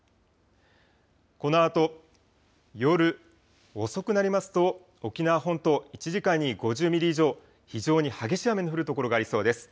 このあと夜遅くなりますと沖縄本島、１時間に５０ミリ以上、非常に激しい雨の降る所がありそうです。